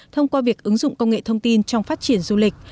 thông qua việc ứng dụng công nghệ thông tin trong phát triển du lịch